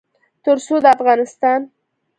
تر څو د افغانستان